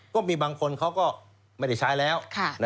ก็มีบางคนเขาก็ไม่ได้ใช้แล้ว